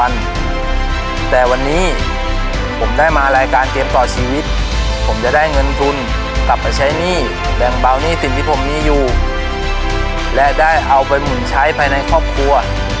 และนำไปป้อนให้กับสมาชิกในครอบครัว